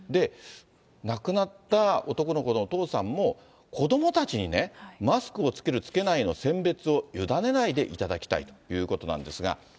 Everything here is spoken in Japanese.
亡くなった男の子のお父さんも、子どもたちにね、マスクをつける、つけないの選別を委ねないでいただきたいということなんですが。